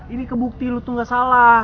ini kebukti lo tuh gak salah